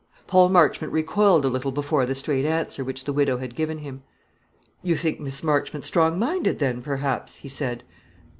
Paul Marchmont recoiled a little before the straight answer which the widow had given him. "You think Miss Marchmont strong minded, then, perhaps?" he said.